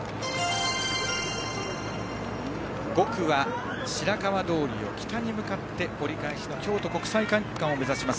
５区は白川通を北に向かって折り返しの京都国際会館を目指します。